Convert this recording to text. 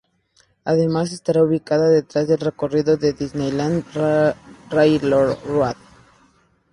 Además estará ubicada detrás del recorrido del Disneyland Railroad.